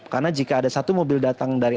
karena jika ada satu mobil datang dari